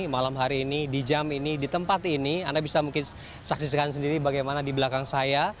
malam hari ini di jam ini di tempat ini anda bisa mungkin saksikan sendiri bagaimana di belakang saya